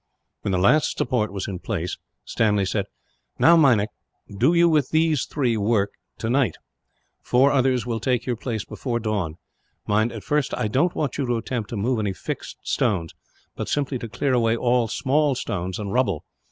When the last support was in its place, Stanley said: "Now, Meinik, do you with these three work, tonight; four others will take your place, before dawn. Mind, at first I don't want you to attempt to move any fixed stones; but simply to clear away all small stones, and rubble.